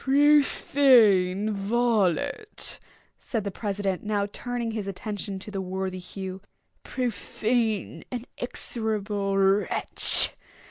"Profane varlet!" said the president, now turning his attention to the worthy Hugh, "profane and execrable wretch!